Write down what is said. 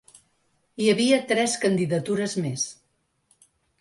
Hi havia tres candidatures més.